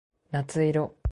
夏色